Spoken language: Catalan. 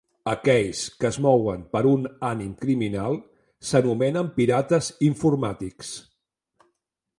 Aquells que es mouen per un ànim criminal s'anomenen pirates informàtics.